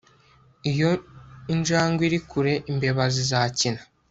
Iyo injangwe iri kure imbeba zizakina